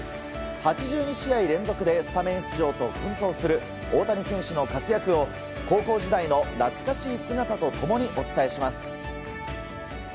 ８２試合連続でスタメン出場と奮闘する大谷選手の活躍を高校時代の懐かしい姿と共にお伝えします。